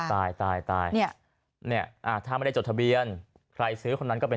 ตายตายเนี่ยถ้าไม่ได้จดทะเบียนใครซื้อคนนั้นก็เป็น